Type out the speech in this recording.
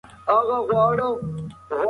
بد انسان هر ځای ستونزي جوړوي